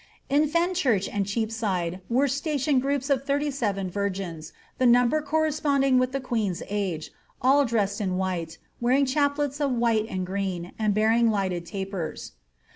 In Fenchurch and Cheapside were sta tioned groups of thirty seven virgins, the number corresponding with the queen's age, all dressed in white, wearing chaplets of white and green, and bearing lighted tapers.